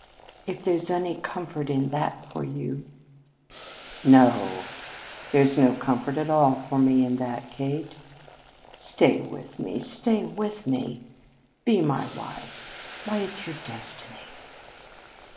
If there's any comfort in that for you " "No, there's no comfort at all for me in that, Kate. Stay with me, stay with me! Be my wife. Why, it's your destiny."